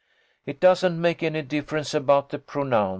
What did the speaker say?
" It doesn't make any difference about the pronouns.